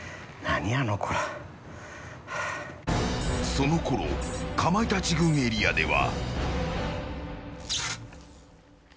そのころかまいたち軍エリアでは。